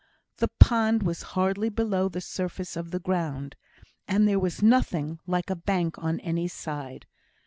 The pond was hardly below the surface of the ground, and there was nothing like a bank on any side.